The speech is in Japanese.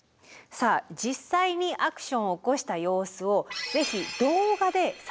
さあ実際にアクションを起こした様子をぜひ動画で撮影してみて下さい。